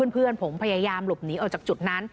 เพื่อนผมพยายามหลบหนีออกจากจุดนั้น